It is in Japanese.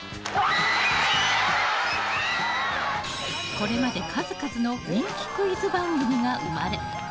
これまで数々の人気クイズ番組が生まれ